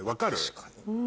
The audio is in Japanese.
確かに。